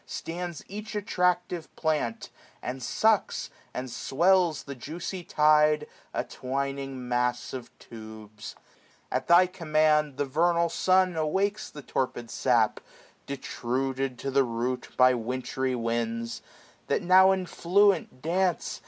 Stands each attractive plant, and sucks, and swells The juicy tide ; a twining mass of tubes* At Thy command the vernal sun awakes The torpid sap, detruded to the root $6^ By wintry winds ; that now in fluent dance.